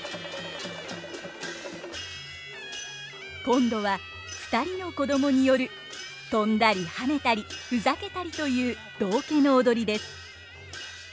今度は２人の子供による跳んだりはねたりふざけたりという道化の踊りです。